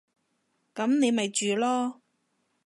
噉你咪住囉